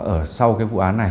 ở sau cái vụ án này